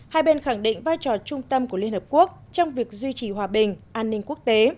một mươi năm hai bên khẳng định vai trò trung tâm của liên hợp quốc trong việc duy trì hòa bình an ninh quốc tế